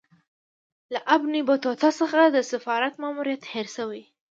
له ابن بطوطه څخه د سفارت ماموریت هېر سوی.